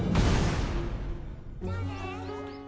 ・じゃあね